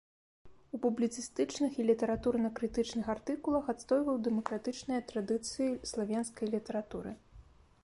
У публіцыстычных і літаратурна-крытычных артыкулах адстойваў дэмакратычныя традыцыі славенскай літаратуры.